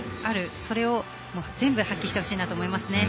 それを全部発揮してほしいなと思いますね。